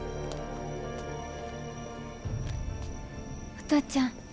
お父ちゃん？